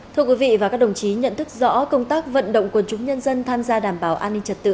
thưa quý vị và các đồng chí nhận thức rõ công tác vận động quân chúng nhân dân tham gia đảm bảo an ninh trật tự